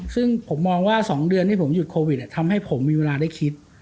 ซึ่งผมมองว่า๒เดือนที่ผมหยุดโควิดทำให้ผมมีเวลาได้คิด